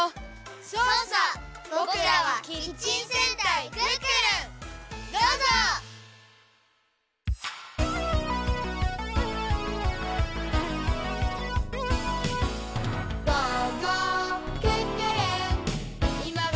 「そうさボクらはキッチン戦隊クックルン」どうぞ！「」「」イエイ！やぁ！